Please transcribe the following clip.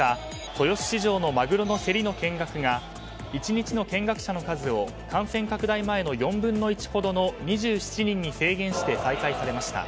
豊洲市場のマグロの競りの見学が１日の見学者の数を感染拡大前の４分の１ほどの２７人に制限して再開しました。